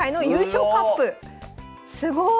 すごい！